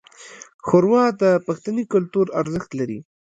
ښوروا د پښتني کلتور ارزښت لري.